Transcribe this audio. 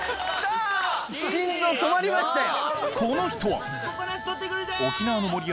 心臓止まりましたよ！